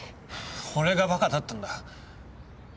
俺がバカだったんだ。